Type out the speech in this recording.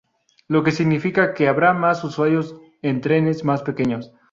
Lo que significa, que, habrá más usuarios en trenes más pequeños.